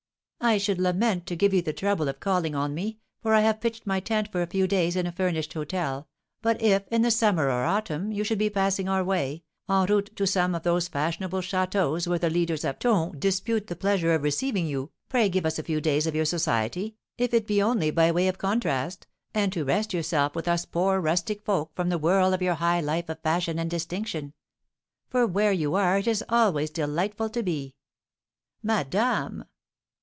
"I should lament to give you the trouble of calling on me, for I have pitched my tent for a few days in a furnished hôtel; but if, in the summer or autumn, you should be passing our way, en route to some of those fashionable châteaus where the leaders of ton dispute the pleasure of receiving you, pray give us a few days of your society, if it be only by way of contrast, and to rest yourself with us poor rustic folk from the whirl of your high life of fashion and distinction; for where you are it is always delightful to be." "Madame!"